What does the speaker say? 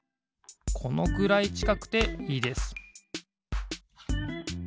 このくらいちかくていいです